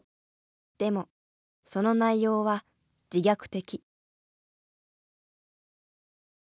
でもその内容は自虐的。